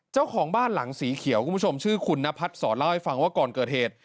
เจ้าของบ้านหลังสีเขียวคุณผู้ชมชื่อคุณนพัดศรเล่าให้ฟังว่าก่อนเกิดเหตุ